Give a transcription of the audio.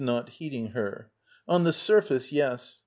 [Not heeding her.] On the surface, yes.